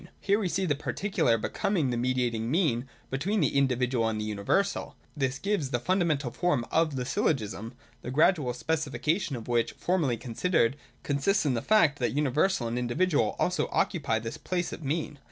Here we see the particular becoming the mediating mean between the individual and the universal. This gives the fundamental form of the Syllogism, the gradual specifica tion of which, formally considered, consists in the fact that universal and individual also occupy this place of mean.